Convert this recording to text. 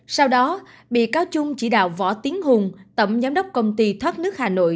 sau đó bị cáo trung chỉ đạo võ tiến hùng tổng giám đốc công ty thoát nước hà nội